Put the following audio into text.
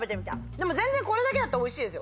でも全然これだけだったらおいしいです。